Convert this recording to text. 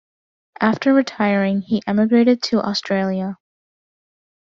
After retiring, he emigrated to Australia.